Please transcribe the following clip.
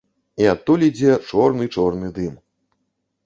І адтуль ідзе чорны-чорны дым.